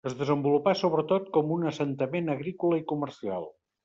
Es desenvolupà sobretot com un assentament agrícola i comercial.